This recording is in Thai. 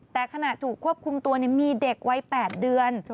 แต่ขณะถูกควบคุมตัวมีเด็กวัย๘เดือน